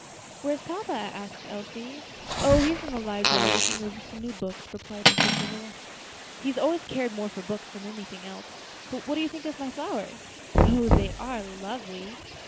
"Where is papa?" asked Elsie. "Oh! he's in the library, looking over some new books," replied Mr. Travilla. "He always cared more for books than anything else. But what do you think of my flowers?" "Oh! they are lovely!